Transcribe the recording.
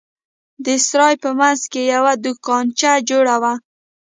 د سراى په منځ کښې يوه دوکانچه جوړه وه.